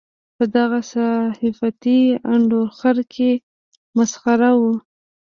په دغه صحافتي انډوخر کې مسخره وو.